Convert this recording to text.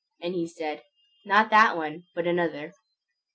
And he said, "Not that one, but another."